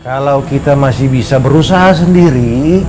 kalau kita masih bisa berusaha sendiri